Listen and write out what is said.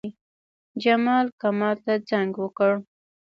جمال، کمال ته زنګ وکړ.